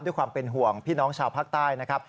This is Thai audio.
ด้วยความเป็นห่วงพี่น้องชาวภาคใต้นะครับ